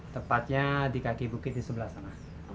tepatnya di kaki bukit di sebelah sana